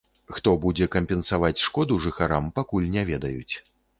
Хто будзе кампенсаваць шкоду жыхарам, пакуль не ведаюць.